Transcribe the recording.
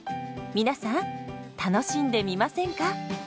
皆さん楽しんでみませんか？